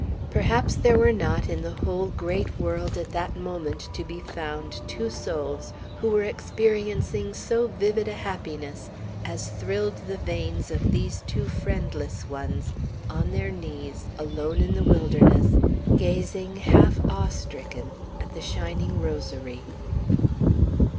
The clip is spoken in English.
Perhaps there were not, in the whole great world, at that moment to be found, two souls who were experiencing so vivid a happiness as thrilled the veins of these two friendless ones, on their knees, alone in the wilderness, gazing half awe stricken at the shining rosary.